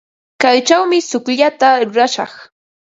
Kaychawmi tsukllata rurashaq.